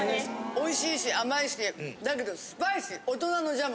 おいしいし甘いしだけどスパイシー！